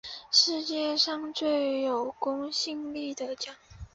世界上最有公信力的奖